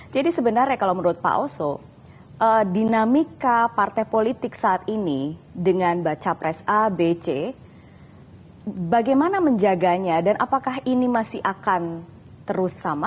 jadi sebenarnya kalau menurut pak oso dinamika partai politik saat ini dengan capres a b c bagaimana menjaganya dan apakah ini masih akan terus sama